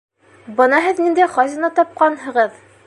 — Бына һеҙ ниндәй хазина тапҡанһығыҙ!